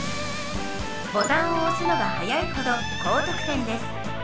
ボタンを押すのが早いほど高得点です。